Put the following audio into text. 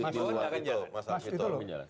mas itu loh